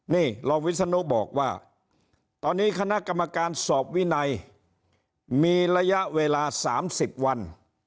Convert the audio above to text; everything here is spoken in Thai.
นี่รองวิศนุบอกว่าตอนนี้คณะกรรมการสอบวินัยมีระยะเวลา๓๐วัน